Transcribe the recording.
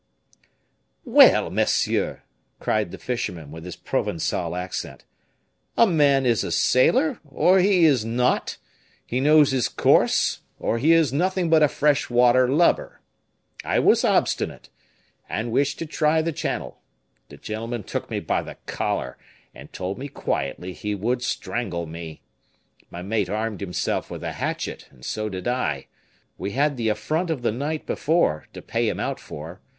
"Well, monsieur!" cried the fisherman, with his Provencal accent, "a man is a sailor, or he is not; he knows his course, or he is nothing but a fresh water lubber. I was obstinate, and wished to try the channel. The gentleman took me by the collar, and told me quietly he would strangle me. My mate armed himself with a hatchet, and so did I. We had the affront of the night before to pay him out for.